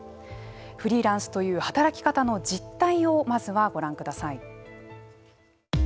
フリーランスという働き方の実態をまずはご覧ください。